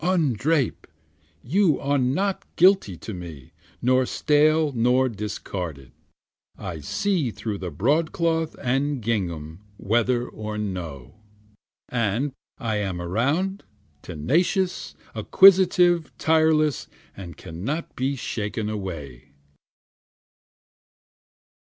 Undrape! you are not guilty to me, nor stale nor discarded, I see through the broadcloth and gingham whether or no, And am around, tenacious, acquisitive, tireless, and cannot be shaken away.